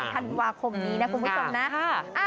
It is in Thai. ธันวาคมนี้นะคุณผู้ชมนะ